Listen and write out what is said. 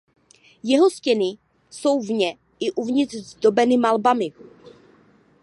Jeho stěny jsou vně i uvnitř zdobeny malbami.